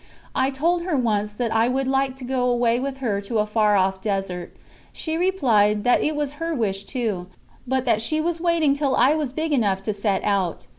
I told her once that I would like to go away with her to a far off desert; she replied that it was her wish too, but that she was waiting till I was big enough to set out.